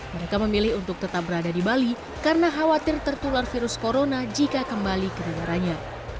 mereka memilih untuk tetap berada di bali karena khawatir tertular virus corona jika kembali ke negaranya